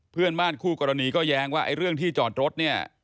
เพื่อนบ้านคู่กรณีก็แย้งว่าไอ้เรื่องที่จอดรถเนี่ย